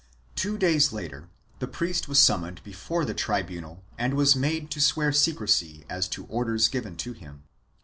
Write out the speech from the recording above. T\vo days later the priest was summoned before the tribunal and was made to swear secrecy as to orders given to him.